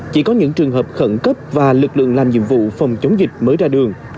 chỉ có những trường hợp khẩn cấp và lực lượng làm nhiệm vụ phòng chống dịch mới ra đường